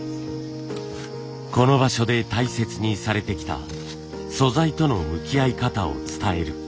この場所で大切にされてきた素材との向き合い方を伝える。